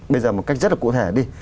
bây giờ một cách rất là cụ thể đi